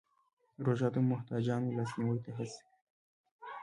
روژه د محتاجانو لاسنیوی ته هڅوي.